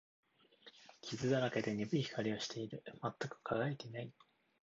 傷だらけで、鈍い色をしている。全く輝いていない。